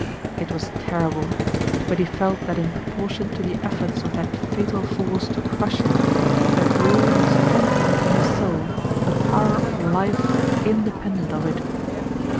It was terrible, but he felt that in proportion to the efforts of that fatal force to crush him, there grew and strengthened in his soul a power of life independent of it.